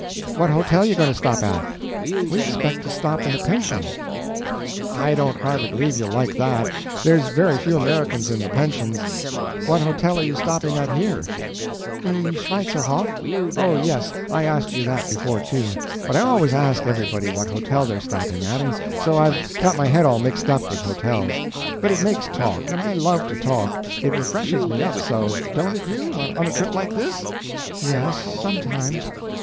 "What hotel you going to stop at?" "We expect to stop in a pension." "I don't hardly believe you'll like that; there's very few Americans in the pensions. What hotel are you stopping at here?" "The Schweitzerhof." "Oh, yes. I asked you that before, too. But I always ask everybody what hotel they're stopping at, and so I've got my head all mixed up with hotels. But it makes talk, and I love to talk. It refreshes me up so don't it you on a trip like this?" "Yes sometimes."